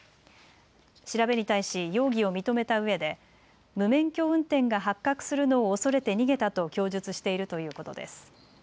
調べに対し容疑を認めたうえで無免許運転が発覚するのを恐れて逃げたと供述しているということです。